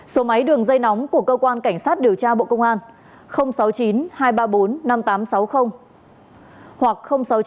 số máy đường dây nóng của cơ quan cảnh sát điều tra bộ công an sáu mươi chín hai trăm ba mươi bốn năm nghìn tám trăm sáu mươi hoặc sáu mươi chín hai trăm ba mươi một sáu nghìn sáu trăm bảy